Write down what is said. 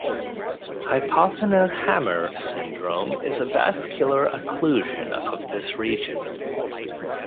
Hypothenar hammer syndrome is a vascular occlusion of this region.